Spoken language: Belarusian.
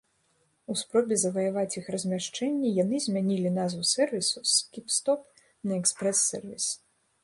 У спробе заваяваць іх размяшчэнне яны змянілі назву сэрвісу з скіп-стоп на экспрэс-сервіс.